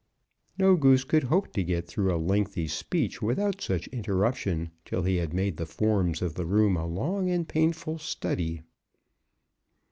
No Goose could hope to get through a lengthy speech without such interruption till he had made the Forms of the Room a long and painful study.